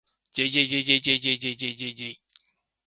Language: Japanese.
jjjjjjjjjjjjjjjjj